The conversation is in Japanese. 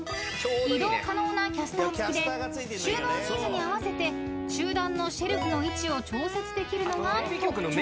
［移動可能なキャスター付きで収納ニーズに合わせて中段のシェルフの位置を調節できるのが特徴］